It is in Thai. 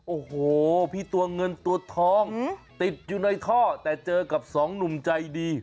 โอ้โหพี่ตัวเงินตัวทองติดอยู่ในท่อแต่เจอกับสองหนุ่มใจดี